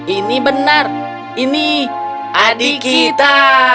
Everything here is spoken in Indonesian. ini benar ini adik kita